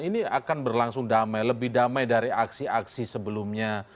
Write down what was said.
ini akan berlangsung damai lebih damai dari aksi aksi sebelumnya